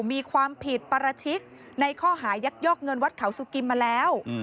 มีความผิดประชิกในข้อหายักยอกเงินวัดเขาสุกิมมาแล้ว